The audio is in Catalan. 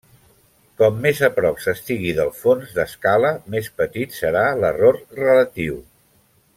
Com més a prop s'estigui del fons d'escala més petit serà l'error relatiu.